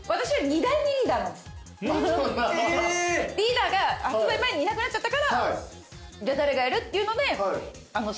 リーダーが発売前にいなくなっちゃったからじゃあ誰がやるっていうので指名していただいて私が。